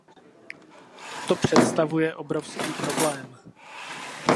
To představuje obrovský problém.